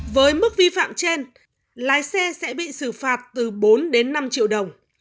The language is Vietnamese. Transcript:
với mức vi phạm trên lái xe sẽ bị xử phạt từ bốn đến năm triệu đồng